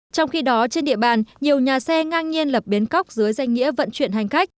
trong khi đó trên địa bàn nhiều nhà xe ngang nhiên lập bến cóc dưới danh nghĩa vận chuyển hành khách